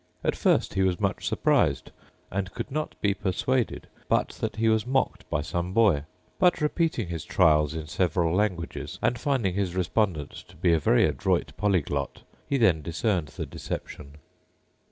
At first he was much surprised, and could not be persuaded but that he was mocked by some boy; but, repeating his trials in several languages, and finding his respondent to be a very adroit polyglot, he then discerned the deception.